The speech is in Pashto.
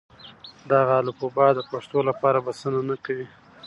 دغه الفبې د پښتو لپاره بسنه نه کوي.